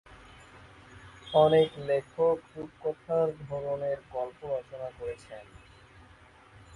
অনেক লেখক রূপকথার ধরনে গল্প রচনা করেছেন।